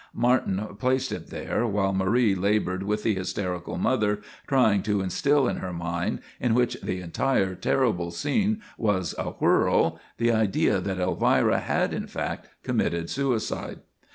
Martin placed it there, while Marie laboured with the hysterical mother, trying to instil in her mind, in which the entire terrible scene was a whirl, the idea that Elvira had, in fact, committed suicide.